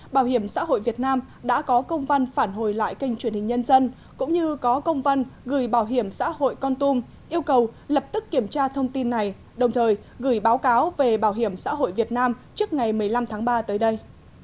bảo hiểm xã hội việt nam đã có công văn phản hồi lại kênh truyền hình nhân dân cũng như có công văn gửi bảo hiểm xã hội con tum yêu cầu lập tức kiểm tra thông tin này đồng thời gửi báo cáo về bảo hiểm xã hội việt nam trước ngày một mươi năm tháng ba tới đây